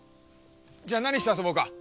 じゃ何して遊ぼうか？